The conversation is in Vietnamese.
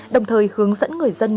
đồng thời hướng dẫn người dân